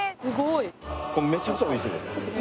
めちゃくちゃおいしいんです